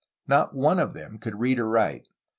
Not one of them could read or wiite.